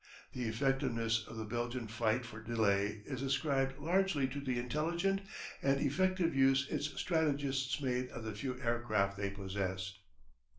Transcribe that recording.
The effectiveness of the Belgian fight for delay is ascribed largely to the intelligent and effective use its strategists made of the few aircraft they possessed.